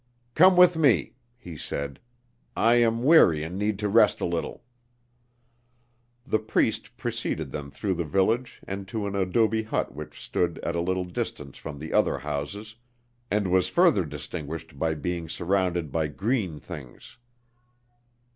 "Come with me," he said. "I am weary and need to rest a little." The Priest preceded them through the village and to an adobe hut which stood at a little distance from the other houses and was further distinguished by being surrounded by green things.